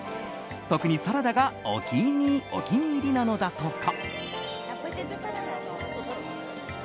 特にサラダがお気に入りなのだとか。